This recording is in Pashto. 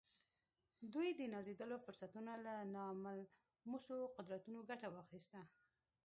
دوی د نازېږېدلو فرصتونو له ناملموسو قدرتونو ګټه واخيسته.